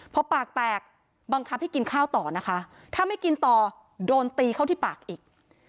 พอปากแตกบังคับให้กินข้าวต่อนะคะถ้าไม่กินต่อโดนตีเข้าที่ปากอีก